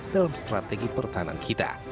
dalam strategi pertahanan kita